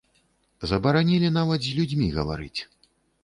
Забаранілі нават з людзьмі гаварыць.